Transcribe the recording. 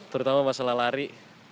terutama masalah lari